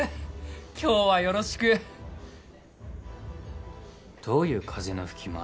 今日はよろしくどういう風の吹き回し？